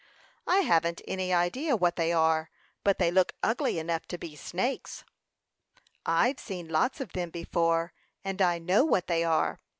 "I haven't any idea what they are; but they look ugly enough to be snakes." "I've seen lots of them before, and I know what they are.